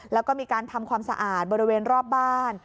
แล้วก็มีการทำความสะอาดบริเวณรอบบ้าน